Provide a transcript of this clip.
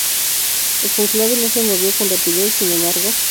El cónclave no se movió con rapidez, sin embargo.